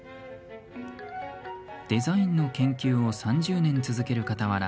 デザインの研究を３０年続けるかたわら